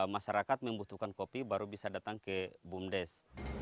masyarakat membutuhkan kopi baru bisa datang ke bumdes